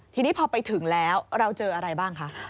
ทีนี้พอไปถึงแล้วเราเจออะไรบ้างคะ